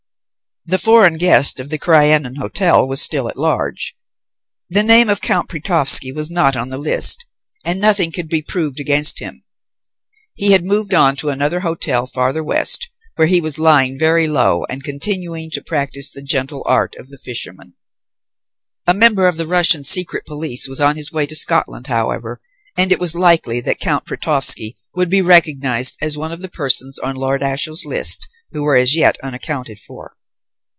The foreign guest of the Crianan Hotel was still at large. The name of Count Pretovsky was not on the list and nothing could be proved against him. He had moved on to another hotel farther west, where he was lying very low and continuing to practise the gentle art of the fisherman. A member of the Russian secret police was on his way to Scotland, however, and it was likely that Count Pretovsky would be recognized as one of the persons on Lord Ashiel's list who were as yet unaccounted for.